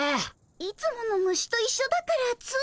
いつもの虫と一緒だからつい。